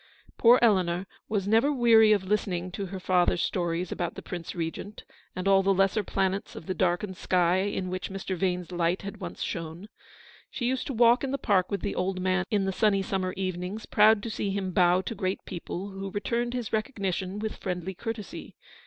Poor Eleanor was never weary of listening to her father's stories about the Prince Regent, and all the lesser planets of the darkened sky in which Mr. Vane's light had once shone. She used to walk in the park with the old man in the sunny summer evenings, proud to see him bow to great people, who returned his recognition with friendly courtesy.